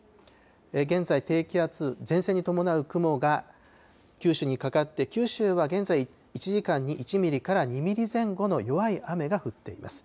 現在、低気圧、前線に伴う雲が九州にかかって、九州は現在、１時間に１ミリから２ミリ前後の弱い雨が降っています。